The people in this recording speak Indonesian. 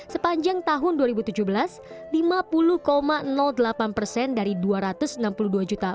sepanjang tahun dua ribu tujuh belas lima puluh delapan persen dari dua ratus enam puluh dua juta